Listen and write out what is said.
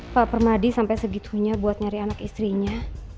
pak permadi sampai segitunya buat nyari anak istrinya